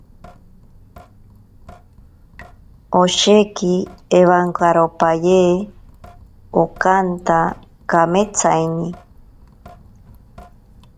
Osheki ewankaropaye okanta kametsaine.